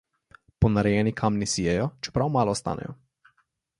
Ponarejeni kamni sijejo, čeprav malo stanejo.